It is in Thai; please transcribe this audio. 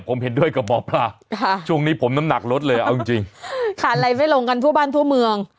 ผมเห็นด้วยกับหมอปลาช่วงนี้ผมน้ำหนักลดเลยเอาจริงขาดอะไรไม่ลงกันทั่วบ้านทั่วเมือง